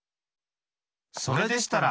それでしたら！